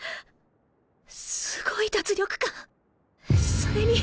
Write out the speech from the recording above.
すごい脱力感それに